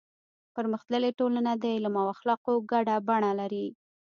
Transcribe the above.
پرمختللې ټولنه د علم او اخلاقو ګډه بڼه لري.